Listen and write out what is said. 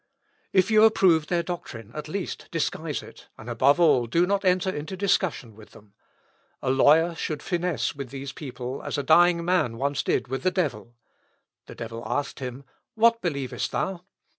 If you approve their doctrine, at least disguise it, and, above all, do not enter into discussion with them. A lawyer should finesse with these people as a dying man once did with the devil. The devil asked him, 'What believest thou?'